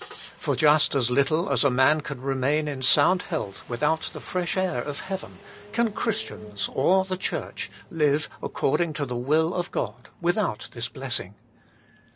For just as little as a man can remain in sound health without the fresh air of heaven, can Christians or the Church live according to the will of God without this bless ing.